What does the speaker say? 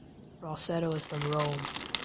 Rossetto is from Rome.